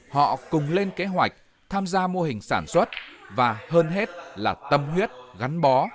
họ cùng lên kế hoạch tham gia mô hình sản xuất và hơn hết là tâm huyết gắn bó